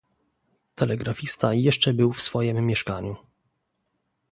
"Telegrafista jeszcze był w swojem mieszkaniu."